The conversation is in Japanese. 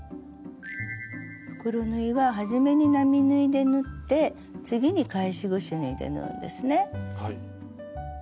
袋縫いははじめに並縫いで縫って次に返しぐし縫いで縫うんですね。